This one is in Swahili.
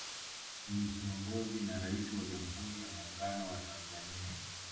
Ni kiongozi na Rais wa Jamhuri ya Muungano wa Tanzania